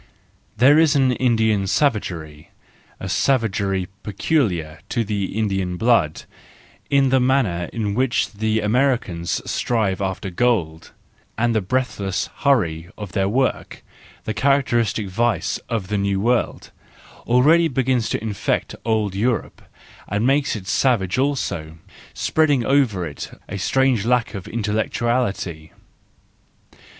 — There is an Indian savagery, a savagery peculiar to the Indian blood, in the manner in which the Americans strive after gold: and the breathless hurry of their work— the characteristic vice of the new world—already begins to infect old Europe, and makes it savage also, spreading over it a strange lack of intel¬ lectuality.